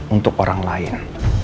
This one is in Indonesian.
untuk orang lain